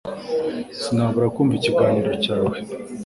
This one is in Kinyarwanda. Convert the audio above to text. Sinabura kumva ikiganiro cyawe